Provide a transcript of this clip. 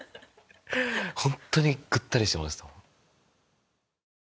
ホントにぐったりしてました。